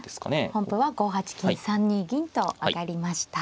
本譜は５八金３二銀と上がりました。